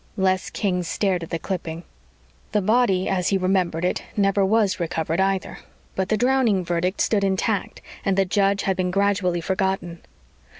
Les King stared at the clipping. The body, as he remembered it, never was recovered, either, but the drowning verdict stood intact and the judge had been gradually forgotten.